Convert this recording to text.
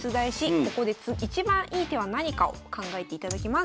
ここで一番いい手は何かを考えていただきます。